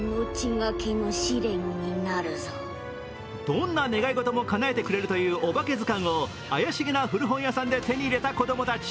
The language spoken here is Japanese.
どんな願い事も叶えてくれるというおばけずかんを怪しげな古本屋さんで手に入れた子供たち。